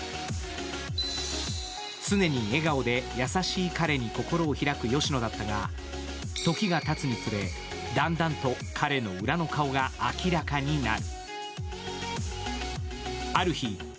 常に笑顔で優しい彼に心を開く吉乃だったが、だんだんと彼の裏の顔が明らかになる。